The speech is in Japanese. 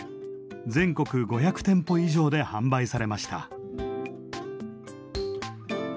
全国５００店舗以上で販売されました。